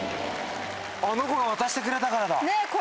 あの子が渡してくれたからだ。